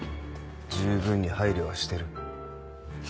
十分に配慮はしてる。